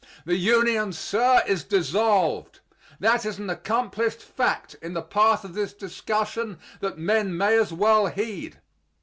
The Union, sir, is dissolved. That is an accomplished fact in the path of this discussion that men may as well heed.